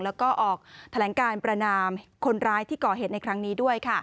แล้วก็ออกแถลงการประนามคนร้ายที่ก่อเหตุในครั้งนี้ด้วย